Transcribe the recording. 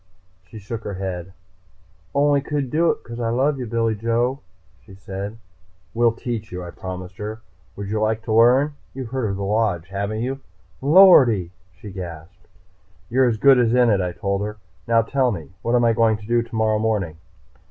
She shook her head. "Only could do it because I love you, Billy Joe," she said. "We'll teach you," I promised her. "Would you like to learn? You've heard of the Lodge, haven't you?" "Lordy!" she gasped. "You're as good as in it," I told her. "Now tell me, what am I going to do tomorrow morning?"